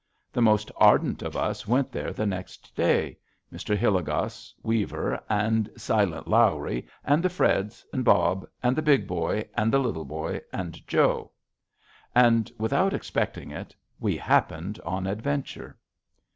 The most ardent of us went there the next day Mr. Hilligoss, Weaver, and "Silent Lawrie" and the Freds and Bob and the Big Boy and the Little Boy and Joe. And, without expecting it, we happened on adventure.